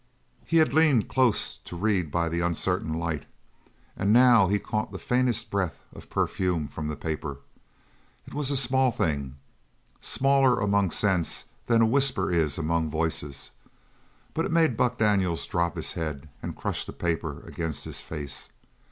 He had leaned close to read by the uncertain light, and now he caught the faintest breath of perfume from the paper. It was a small thing, smaller among scents than a whisper is among voices, but it made Buck Daniels drop his head and crush the paper against his face.